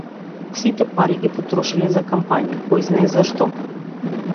Сите пари ги потрошиле за кампањи, којзнае за што.